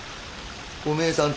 お前さん